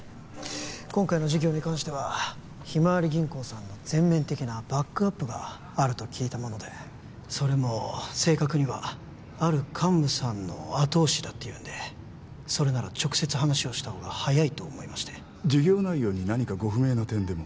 今回の事業に関してはひまわり銀行さんの全面的なバックアップがあると聞いたものでそれも正確にはある幹部さんの後押しだっていうんでそれなら直接話をした方が早いと思いまして事業内容に何かご不明な点でも？